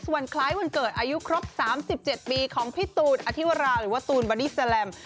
วันเกิดอายุครบ๓๗ปีของพี่ตูนอธิวราหรือว่าตูนบาร์ดี้แซลม